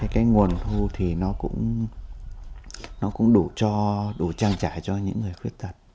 cái nguồn thu thì nó cũng đủ trang trải cho những người khuyết tật